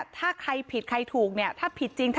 ถ้าใครผิดใครถูกเนี้ย